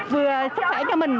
vừa sức khỏe cho mình